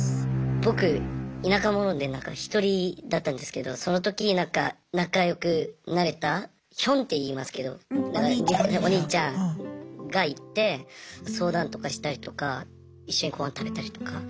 僕田舎者で１人だったんですけどその時仲良くなれたヒョンっていいますけどお兄ちゃんがいて相談とかしたりとか一緒に御飯食べたりとか。